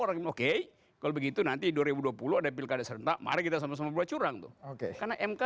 orang oke kalau begitu nanti dua ribu dua puluh ada pilkada serentak mari kita sama sama buat curang tuh oke karena mk